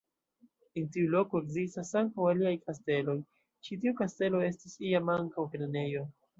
En tiu loko ekzistas ankaŭ aliaj kasteloj, ĉi tiu kastelo estis iam ankaŭ grenejo.